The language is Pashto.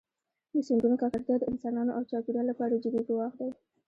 د سیندونو ککړتیا د انسانانو او چاپېریال لپاره جدي ګواښ دی.